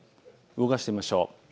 動かしてみましょう。